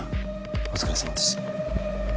お疲れさまです